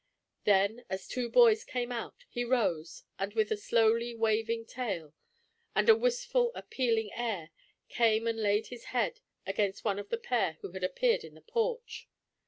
Then, as two boys came out, he rose, and with a slowly waving tail, and a wistful appealing air, came and laid his head against one of the pair who had appeared in the porch.